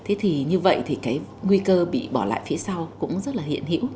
thế thì như vậy thì cái nguy cơ bị bỏ lại phía sau cũng rất là hiện hữu